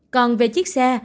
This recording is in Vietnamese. còn về chiếc xe